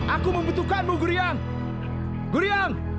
aku membutuhkanmu gurian